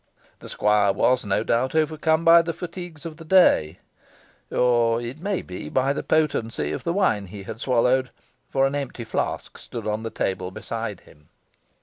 The squire was, no doubt, overcome by the fatigues of the day, or it might be by the potency of the wine he had swallowed, for an empty flask stood on the table beside him.